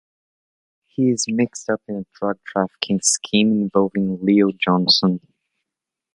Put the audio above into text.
He is mixed up in a drug-trafficking scheme involving Leo Johnson.